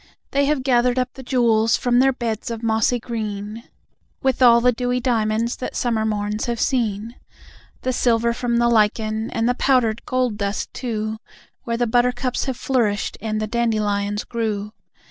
They have gathered up the jewels from their beds of mossy green, With all the dewy diamonds that summer morns have seen; The silver from the lichen and the powdered gold dust, too, Where the buttercups have flourished and the dandelions grew.